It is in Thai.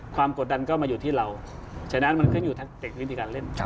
กดดันก็มาอยู่ที่เราฉะนั้นมันขึ้นอยู่แทคติกวิธีการเล่น